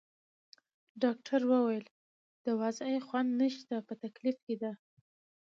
ډاکټر وویل: د وضعې خوند نشته، په تکلیف کې ده.